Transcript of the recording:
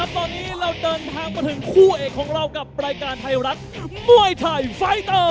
ตอนนี้เราเดินทางมาถึงคู่เอกของเรากับรายการไทยรัฐมวยไทยไฟเตอร์